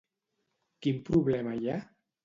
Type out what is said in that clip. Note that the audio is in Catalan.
Quin problema hi ha?